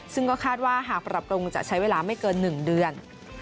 ซึ่งก็คาดว่าหากปรับปรุงจะใช้เวลาไม่เกิน๑เดือน